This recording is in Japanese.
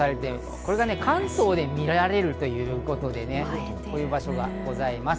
これが関東で見られるということで、こういう場所がございます。